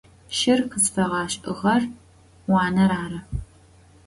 Шыр къызфэгъэшӏыгъэр уанэр ары.